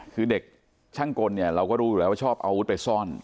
คือเด็กช่างกลเนี่ยเราก็รู้อยู่แล้วว่าชอบอาวุธไปซ่อน